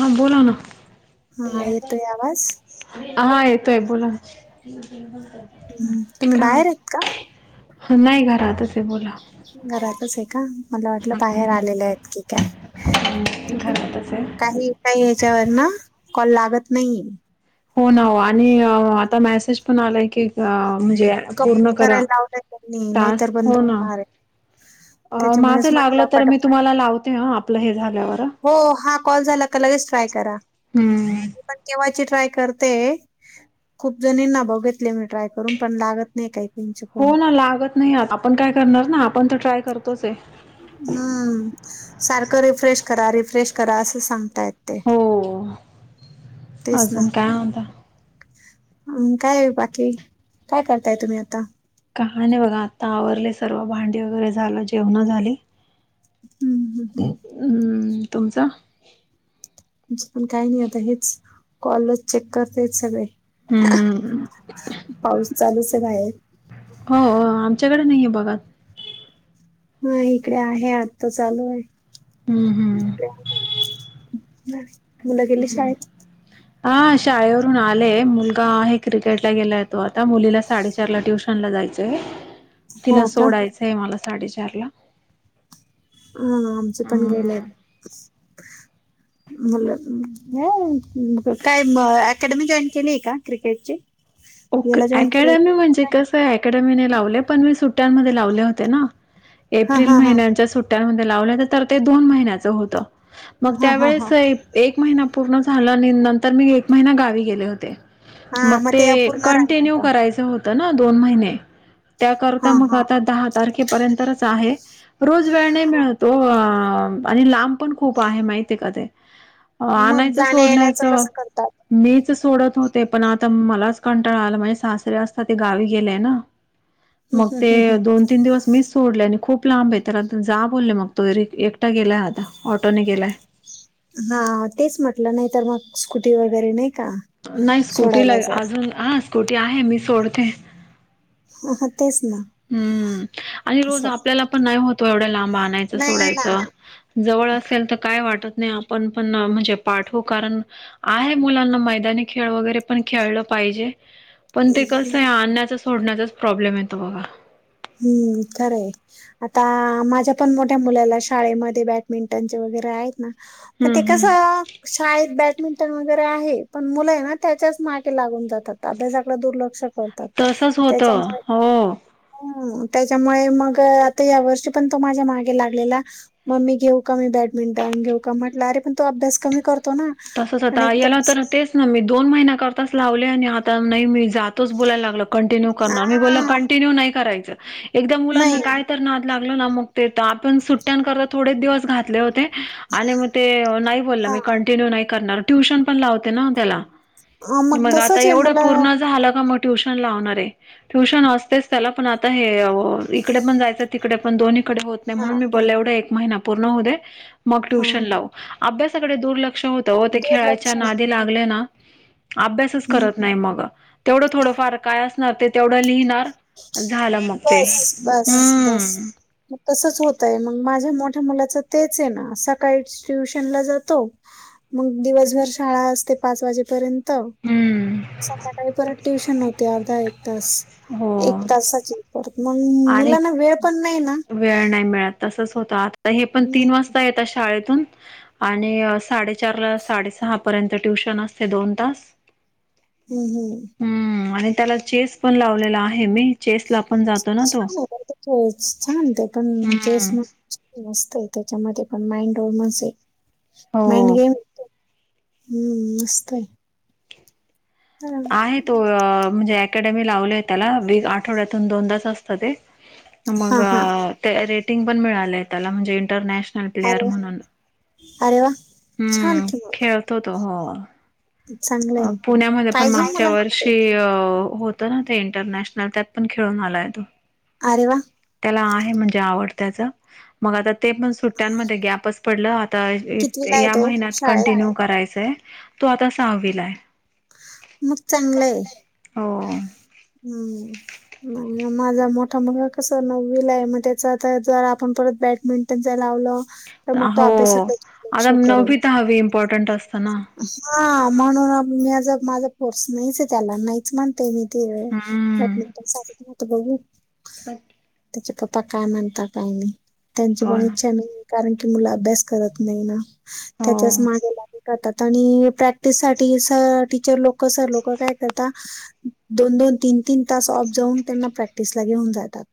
हा बोला ना. हा येतोय आवाज हा येतोय बोला. हम् तुम्ही बाहेर आहेत का ह नाही घरहातच आहे बोला. घरातच आहे का? मला वाटलं बाहेर आलेलं आहेत की काय ठीक आहे काही काही याच्यावर ना कॉल लागत नाहीे. हो ना हो आणि आता मेसेज पण आलाय की म्हणजे पूर्ण कंप्लीट करा करायला लावलंय त्यांनी नाहीतर टास्क बंद हो ना. होणार आहे. अ त्याच्यामुळेच माझं लागलं म्हटलं तर मी पटापट तुम्हाला लावते आपलं हे झा. हो हा कॉल झाला तर लगेच ट्राय कराण्हा हम्म [unintelligible] त मी ट्राय करून पण लागत नाही काही तचे फोन हो पण तर ट्राय करतोच आहे. हम्म सारखं रिफ्रेश करा रिफ्रेश करा असं सांगताय ते हो अजून काय होता. हम काय बाकी काय करताय तुम्ही आता काय नाही बघा आता आवरले सर्व भांडी वगैरे झालं जेवण झाली. हम्म, हम्म, हम्म तुमचं. म्ह आमचं पण काही नाही आता हेच कॉलज चेक करते सगळे हम्म पाऊस चालुचय बाहेर [unintelligible] कडे नाही आहे बघ. हा इकडे आहे आता चालू आहे. हं, हं. मुलं गेली शाळेत हा.. शाळेवरून आलेय मुलगा आहे क्रिकेटला गेलाय तो आता मुलीला साडेचार ला ट्युशनला जा. डायचंय तिला हो का? सोडायचंय मला साडेचार ला हा आमचे पण गेलेत. अं, [inaudible] काय मं.. अकॅडमी जॉईन केलीय का क्रिकेटची याला जॉईन केलेल अकॅडमी म्हणजे काय? कसंय अकॅडमी नाय लावले पण मी सुट्ट्यांमध्ये लावले होते ना. हा एप्रिल हा हा महिन्यांच्या सुट्ट्यांमध्ये लावल्याव त्या तर ते दोन महिन्याच होतं. मग हा हा हा. त्यावेळेस ए-एक महिना पूर्ण झाला आणि नंतर मी एक महिना गावी गेले होते. हा म ते कंटिन्यू राहिलेलं करायचं होतं ना दोन महिने. त्याकरता हा मग हा. आता दहा तारखेपर्यंतच आहे. रोज वेळ नाही मिळत ओ. आ आणि लांब पण खूप आहे माहिती आहे का ते. मग आणायचं जाण्या येण्याचं सोडण्याचं कसं करतात? मीच सोडत होते. पण आता मलाच कंटाळा आलाय. माझे सासरे असतात ते गावी गेले ना. हम्म, मग हम्म, ते हम्म, दोन तीन दिवस मिस सोडलंय आणि खूप लांबय तर आता जा बोलले मग तो रि- एकटा गेलाय आता. ऑटोने गेलाय. हा तेच म्हटलं, नाही तर मग स्कुटी वगैरे नाही का नाही स्कूटीला सोडायला जाय अजून ह स्कूटी आहे. मी सोडते. [inaudible] हम्म आणि रोज असं आपल्याला पण नाही होत ओ एवढ्या लांब आणायचं नाही ना सोडायचं जवळ असेल तर काय वाटत नाय आपण पण म्हणजे पाठवू कारण आहे मुलांना मैदानी खेळ वगैरे पण खेळलं पाहिजे. पण ते कसं आहे आणण्याचं सोडण्याचाच प्रॉब्लेम येतो बघा. हम्म खरंय आता माझ्या पण मोठ्या मुलाला शाळेमध्ये बॅडमिंटनच्या व वगैरे आहेत ना. पण ते हम्म हम्म कसं शाळेत बॅट मिंटन वगैरे आहे. पण मुलंय ना त्याच्याच मागे लागून जातात अभ्यासाकडे दुर्लक्ष करतात. तसच होतं त्याच्यामुळे हो. हम्म त्याच्यामुळे मग अ आता या वर्षी पण तो माझ्या मागे लागलेला मम्मी घेऊ का मी बॅट बॅडमिंटन घेऊ का. म्हटलं अरे पण तू अभ्यास कमी करत तसच आता याला तर तेच ना मी दोन महिन्या करताच लावले, आणि आता नाही मी जातोच बोलाय लागला कंटिन्यू करणार. मी बोललं हा कंटिन्यू नाही करायचं. एकदा मुलांना नाही काय तर नाद लागला ना मग ते त आपण सुट्ट्यांकरता थोडेच दिवस घातले होते. आणि मग ते नाही बोलला हा मी कंटिन्यू नाही करणार. ट्युशन पण लावते ना त्याला. मग आता तसच आहे एवढं मुलं पूर्ण झालं का मग ट्युशन लावणारय ट्युशन असतेच त्याला. पण आता हे इकडे पण जायचं तिकडे पण पण दोन्हीकडे होत नाही. हां, म्हणून मी हां, बोले एवढं एक महिना पूर्ण होऊ दे. मग ट्युशन हां. लावु. अभ्यासाकडे दुर्लक्ष होतं ओ. ते दुर्लक्ष खेळायच्या नादी होतं. लागले ना अभ्यासच हं. करत नाही मग तेवढं थोडंफार काय असणार ते तेवढं लिहिणार झालं मग ते बस बस बस हम्म मग तसच होतय मग माझं मोठ्या मुलाच तेचय ना सकाळी ट्युशन ला जातो. मग दिवसभर शाळा पाच ते पाच वाजेपर्यंत. हम्म त संध्याकाळी परत ट्युशन होते अर्धा एक तास. हो एक तासाची परत मंग आणि मुलांना वेळ पण नाही. ना. वेळ नाही मिळत. तसच होतं. आता हे पण हं, तीन वाजता येता शाळेत तून आणि साडेचारला साडेसहा पर्यंत ट्युशन असते दोन तास. हम्म हम्म हम्म आणि त्याला चेस पण लावलेला आहे मी. चेस ला छान हो छान ते पण चेस हम्म म मस्त आहे त्याच्यामध्ये पण माइंड वोमनस आहे. माइंड हो गेम हम्म मस्त आहे. आहे तो म्हणजे अकॅडमी लावले त्याला. वी आठवड्यातून दोनदाच असतं ते. मग हां, हां. अ ते रेटिंग पण मिळाले त्याला, म्हणजे इंटरनॅशनल पेअर अरे वा. म्हणून अरे वा. छान हम्म की मग खेळतो तो हो. अ चांगलंय पुण्यामध्ये पण पाहिजे मागच्या मुलांना ते वर्षी अ होत ना ते इंटरनॅशनल त्यात पण खेळून आलाय तो. अरे वा त्याला आहे म्हणजे आवड. त्याचा मग आता ते पण सुट्ट्यांमध्ये गॅपच पडला कितवीला आहे या तो महिन्यात शाळेत कंटिन्यू करायचंय तो आता सहावीलाय मग चांगलंय. हो. हम्म [unintelligible] माझा मोठा मुलगा कसं नववीला आहे म त्याचा जरा आपण परत बॅडमिंटन जा लावलं तर मग तो हो अभ्यासाकडे आता लक्ष करेल नववी दहावी इम्पॉर्टंट असतं ना. हा म्हणून आ मी माझा फोर्स नाहीच आहे त्याला नाहीच म्हणते मी [unintelligible] बॅडमिंटनसाठी बघू अत त्याचे पप्पा काय म्हणतात आणि त्यांची हो पण ना इच्छा नाही आहे कारण ती मुलं अभ्यास करत नाही ना हो त्यातच मागे [inaudible] करतात आणि प्रॅक्टिस साठी सर टीचर लोकं, सर लोक काय करता दोन-दोन, तीन-तीन तास ऑफ जाऊन त्यांना प्रॅक्टिसला घेऊन जातात.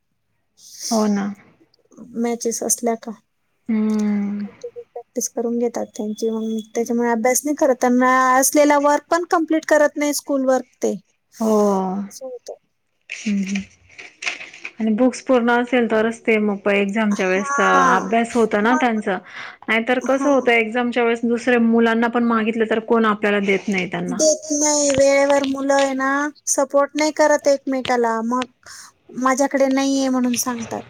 हो ना. मॅचेस असल्या का. हम्म तेच करून घेतात त्यांचे म त्याच्यामुळे अभ्यास नाही करत असलेला वर्क पण कम्प्लीट करत नाही स्कूल वर्क ते, हो असं होत. हम्म, हम्म आणि बुक्स पूर्ण असेल तरच ते मग पय एक्झामचा वेळे स हा अभ्यास होतं ना मग त्यांचा नायतर हा कसं होतं एक्जामचा वेळेस दुसर्या मुलांना पण मागितले तर कोण आपल्याला देत नाही त्यांना देत नाही वेळेवर मुलं आहे ना सपोर्ट नाही करत एकमेकाला मग माझ्याक डे नाहीये म्हणून सांगतात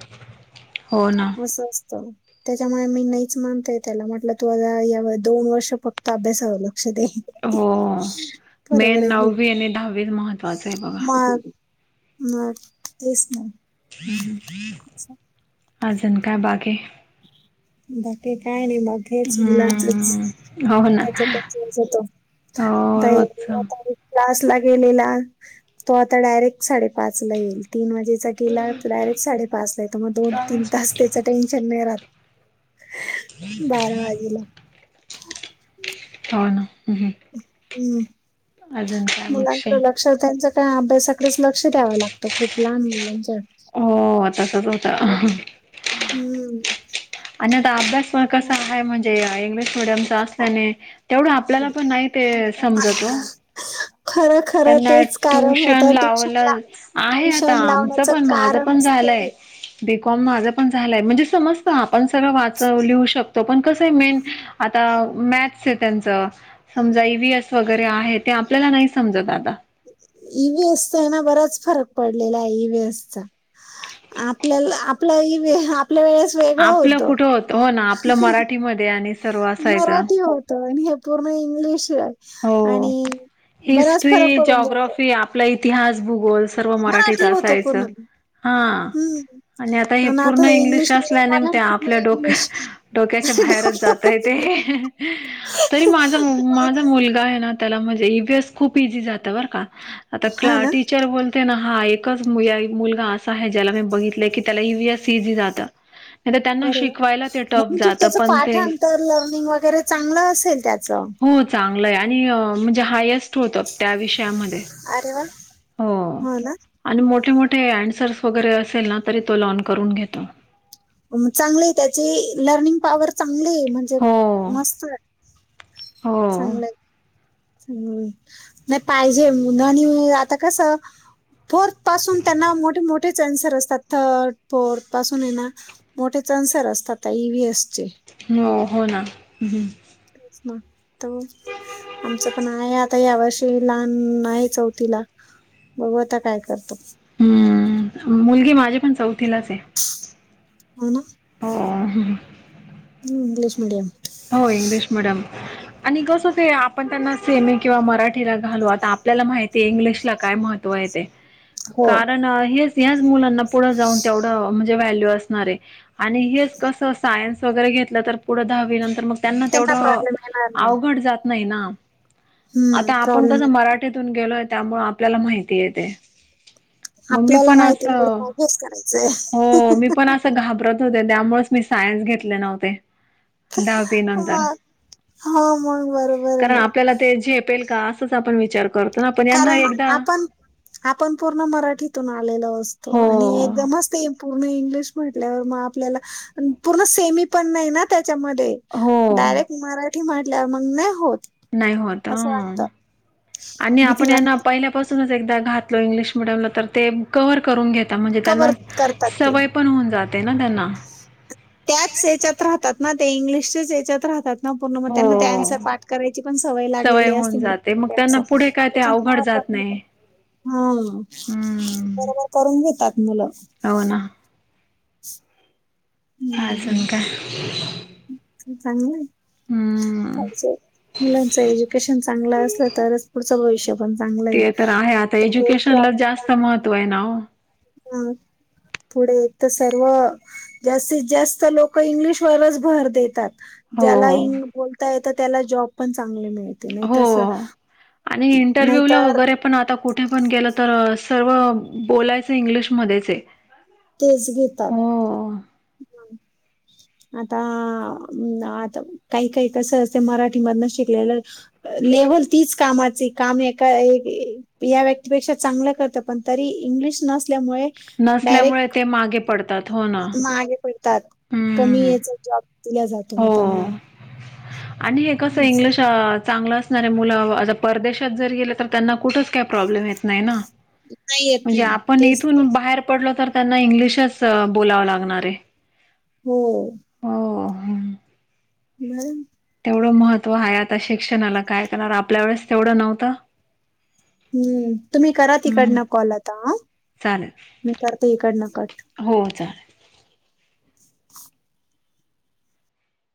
हो ना असं असतं. त्याच्यामुळे मी नाहीच मानतेय त्याला म्हटलं तू आ या दोन वर्ष फक्त अभ्यासाला लक्ष दे. हो बरोबर मेन आहे की नववी आणि दहावी महत्त्वाचं आहे म बघा म तेच ना. अजून काय बाकी बाकी काय नाही मग हेच मुलांनाचाच. हम्म हो ना हो रोजच [unintelligible] गेलेला तो आता डायरेक्ट साडे पाच ला येईल. तीन वाजेचा केला तर डायरेक्ट साडेपाच ला येतो, मग दोन तीन तास त्याचा टेन्शन नाही राहत. बारा वाजेला हम्म. हम्म मुलांकडे लक्षात त्यांचा काय अभ्यासाकडेच लक्ष द्याव लागतं खूप लहान मुलांच्या. हो तसच होतं. हम्म. आणि आता अभ्यास पण कसा हाय म्हणजे आ इंगलिश मीडिमम तिथं असल्याने तेवढ्या आपल्याला पण नाही ते समजत ओ. खरं खरं त्यांना तेच कारण ट्युशन होतं ट्युशनला लावलंच, आहे आता ट्युशन आमचं लावण्याचं पण माझ पण कारणच जाय लय ते बीकॉम माझं पण झालय म्हणजे समजतं आपण सगळं वाचव लिहू शक तो पण कसं आहे मेन आता मॅथस हाय त्यांचा समजा ईव्हीएस वगैरे आहे त्या आपल्याला नाही समजत आता. ईव्हीएसचा आहे ना बराच फरक पडलेला आहे ईव्हीएस चा. आपल्याला आपला इ वी हा आ पल्या वेळेस वेगळं आपलं होतो. कुठं होत हो ना आपलं मराठीमध्ये आणि सर्व असायचं मराठी होतं आणि हे पूर्ण इंग्लिश. हो आणि बराच फरक हिस्ट्री, पडून जातो. जॉग्राफी आपला इतिहास भूगोल सर्व मराठीत मराठी होतं असायचं. पूर्ण. हा हम्म आणि आता हे पूर्ण इंग्लिश असल्या ने ते आपल्या डोक्या डोक्या. बाहेर च जातय ते हे हे तरी माझा मु माझा मुलगा. आहे ना त्याला म्हणजे ईव्हीएस खूप इझी जात बर का! आता हा क्ला ना टीचर बोलते ना? हा एकच मूलाय मुलगा असा आहे ज्याला मी बघितलंय की त्याला ईव्हीएस इझी जात. नाही तर त्यांना बरोबर. शिकवायला ते टफ म्हणजे जात त्याचं पण ते पाठांतर लर्निंग वगैरे चांगलं असेल त्याचं हो जा. आणलय आणि म्हणजे हायस्ट. होत त्या विषयामध्ये अरे वा हो आणि मोठ्या मोठ. ते आणि सेल्फ वगैरे असेल ना तरी तो लॉन करून घेतो. चांगली त्याचे लर्निंग पॉवर चांगलीय म्हणजे हो मस्त आहे हो चांगलंय. हम् नाई पाहिजे उनाणी आता कसं? फोर्थ पासून त्यांना मोठे मोठे. मोठेच अन्सर असतात थर्ड फोर्थ पासून हाय ना मोठेच अन्सर असतात त्या ईव्हीएस चे. हो हो ना. त आमचं पण आहे आता या वर्षी लहान आहे चौथीला. बघू आता काय करतो. हम्म मुलगी माझी पण चौथ. तिलाच आय हो. हम्म इंग्लिश मीडियम. हो इंग्लिश मिडीयम आणि कस ते आपण त्यांना सेमी किंवा मराठीला घालू आता आप. आपल्याला माहितीय इंग्लिश ला काय महत्व आहे ते. हो कारण हेच ह्याच मुलांना पुढे जाऊन तेवढं म्हणजे व्हॅल्यू असणाराय. आणि हेच कसं सायन्स वगैरे घेतलं तर पुढं दहावी नंतर मग. त्यांना तेवढं प्रॉब्लेम येणार नाही अवघड जात नाही ना. हम्म आता आपण प्रॉब्लेम कसं येतो मराठीतून गेलोय त्यामुळे आपल्याला माहितीहाय ते. मग मी आपल्याला पण अस माहिती पुढे काय हेच करायचंय हो मी पण असं घाबरत. होते त्यामुळेच मी सायन्स घेतले नव्हते. दहावी नंतर मग हो मग बरोबर आहे कारण ना आपल्याला ते झेपेल का? तोच आपण विचार. करतो ना पण यांना कारण एकदा आपण. आपण पूर्ण मराठीतून आलेलो असतो हो आणि एकदमच ते पूर्ण इंग्लिश. म्हटल्यावर मग आपल्या पूर्ण सेमी पण नाहीना त्यात. च्या मध्ये हो डायरेक्ट मराठी म्हटल्यावर मग नाही होत. नाही होत असं ह वाटतं आणि आपण भीती यांना वाटते पहिल्यापासून. एकदा घातलो इंग्लिश मिडीयम ला तर ते कवर. करून घेता म्हणजे कवर त्यांना करतात ते सवय पण होऊन जाते. ते ना त्यांना. त्याच याच्यात राहतात ना ते इंग्लिशच्याच याच्यात राहतात. ना पूर्ण मग त्यांना त्यांस हो पाठ करायची पण सवय लागलेली होऊन असतीठंच जाते मग त्यांना पुढे काय ते अवघड त्याच्या. जात नाही. हा हम्म बरोबर करून घेतात मुलं. हो ना हम्म आजनका- चांगलंय. हम्म मुलांच एज्युकेशन चांगलं असलं तरच पुढचं भविष्य- पण चांगलं आहे ते तर आता खूप एज्युकेशनला जास्त प्रॉबलेम- महत्त्व आहे ना हम. पुढे एक तर सर्व जास्तीत जास्त लोक इंग्लिशवररच भर देतात. हो ज्याला हो बोलता येत त्याला जॉब पण चांगले मिळ- हो आणि इंटरव्ह्यू ला नाहीतर वगैरे पण आता कुठे पण गेलं तर- सर्व बोलायच इंग्लिशमध्येध्येच तेच घेतात हो. आता आता काही काही कस असते मराठीमधन शिकलेलं. केवल तीच कामाची काम एका या व्यक्तीपेक्षा चांगलं करतं पण तरी इंग्लिश नसत. मुळे नसल्यामुळे डायरेक्ट ते मागे पडतात हो ना. मागे कमी हम्म याचा जॉब दिला जातो मग हो त्यांना. आणि हे कसं असं इंग्लिश चांगलं असणारे मुलं आता परदेशात जर गेले तर त्यांना कुठेच काही प्रॉब्लेम येत नाही ना. नाही येत म्हणजे ना आपण तेच तर. इथून बाहेर पडलो. तर त्यांना इंग्लिशच बोलाव लागणार आहे. हो. हम. [unintelligible] तेवढं महत्त्व आहे आता शिक्षणाला काय करणार आपल्या वेळेस तेवढं नव्हतं. हम्म तुम्ही करा हम्म तिकडनं कॉल आता हा. चालेल मी करते इकडन कट. हो [unintelligible]